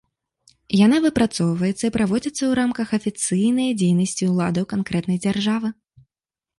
Яна выпрацоўваецца і праводзіцца ў рамках афіцыйнай дзейнасці ўладаў канкрэтнай дзяржавы.